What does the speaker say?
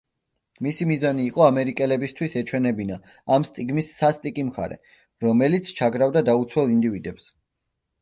მისი მიზანი იყო, ამერიკელებისთვის ეჩვენებინა ამ სტიგმის სასტიკი მხარე, რომელიც ჩაგრავდა დაუცველ ინდივიდებს.